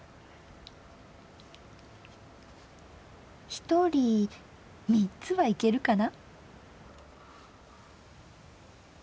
ひとり３つはいけるかな。